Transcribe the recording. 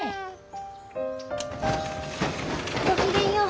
ごきげんよう。